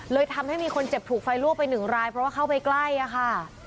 เลยทำให้มีคนเจ็บถูกไฟลวกไปหนึ่งรายเพราะว่าเข้าไปใกล้อะค่ะ